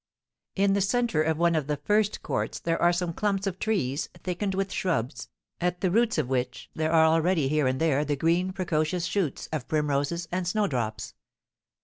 In the centre of one of the first courts there are some clumps of trees, thickened with shrubs, at the roots of which there are already, here and there, the green, precocious shoots of primroses and snowdrops.